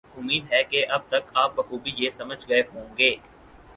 امید ہے کہ اب تک آپ بخوبی یہ سمجھ گئے ہوں گے